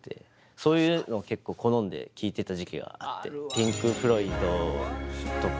そういうのを結構好んで聴いてた時期があって。